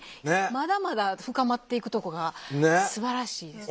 まだまだ深まっていくとこがすばらしいですね。